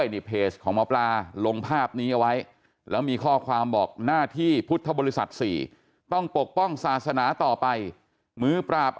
นี้ไว้แล้วมีข้อความบอกหน้าที่พุทธบริษัท๔ต้องปกป้องศาสนาต่อไปมือปราบ